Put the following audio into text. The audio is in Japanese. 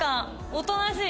おとなしい？